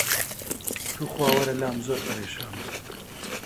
توخوا وەرە لام زۆر پەرێشانم